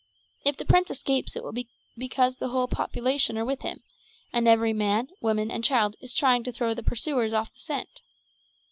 If the prince escapes it will be because the whole population are with him, and every man, woman, and child is trying to throw the pursuers off the scent.